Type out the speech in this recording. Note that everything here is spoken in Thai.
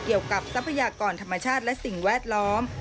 เกี่ยวกับทรัพยากรธรรมชาติและสิ่งแวดล้อม